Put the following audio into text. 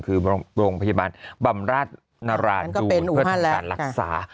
คือโรงพยาบาลบำราชนราดูนเพื่อทำการรักษา